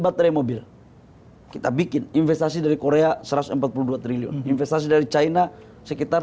baterai mobil kita bikin investasi dari korea satu ratus empat puluh dua triliun investasi dari china sekitar